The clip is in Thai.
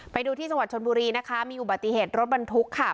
ไปดูที่จังหวัดชนบุรีนะคะมีอุบัติเหตุรถบรรทุกค่ะ